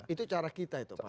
itu cara kita itu pak